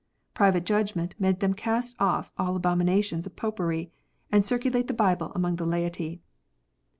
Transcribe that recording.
Private judgment made them cast off the abomina tions of Popery, and circulate the Bible among the laity.